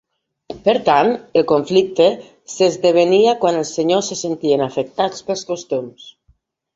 Per tant, el conflicte s'esdevenia quan els senyors se sentien afectats pels costums.